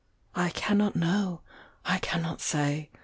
I cannot know. I cannot say.